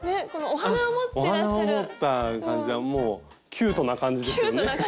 お花を持った感じはもうキュートな感じですよね。